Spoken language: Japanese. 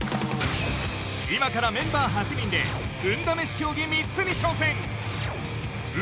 今からメンバー８人で運試し競技３つに挑戦運